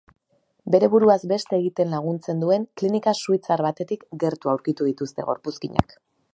Bere buruaz beste egiten laguntzen duen klinika suitzar batetik gertu aurkitu dituzte gorpuzkinak.